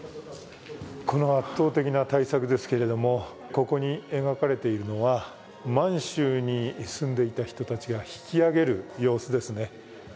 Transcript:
この圧倒的な大作ですけれども、ここに描かれているのは満州に住んでいた人たちが引き揚げる様子ですね。